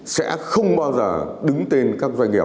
sẽ không bao giờ đứng tên các doanh nghiệp